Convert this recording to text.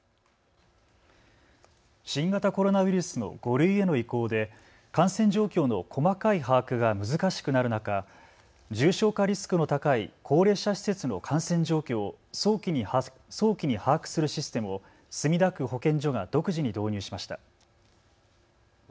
新型コロナウイルスの５類への移行で感染状況の細かい把握が難しくなる中、重症化リスクの高い高齢者施設の感染状況を早期に把握するシステムを墨田区保健所が独自に導入しました。